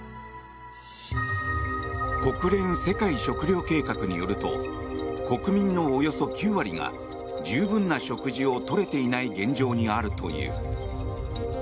国連世界食糧計画によると国民のおよそ９割が十分な食事をとれていない現状にあるという。